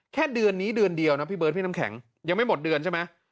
แค่เดือนนี้เดือนเดียวนะพี่เบิร์ดพี่น้ำแข็งยังไม่หมดเดือนใช่ไหม